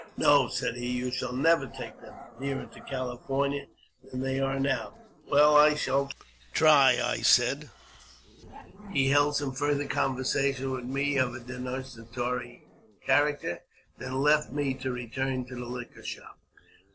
" No," said he, " you shall never take them nearer t( California than they are now." " Well, I shall try," said I. He held some farther conversation with me of a denunciator ^ character, and then left me to return to the liquor shop.